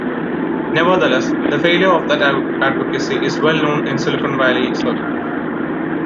Nevertheless, the failure of that advocacy is well known in Silicon Valley circles.